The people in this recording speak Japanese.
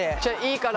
いいから。